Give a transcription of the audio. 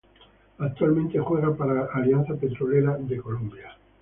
Actualmente juega para Alianza Petrolera de Colombia.